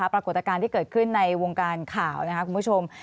ปรากฏการณ์ที่เกิดขึ้นในวงการข่าวนะครับคุณผู้ชม